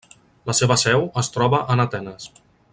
La seva seu es troba en Atenes.